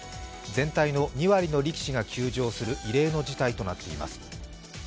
全体の２割の力士が休場する異例の事態となっています。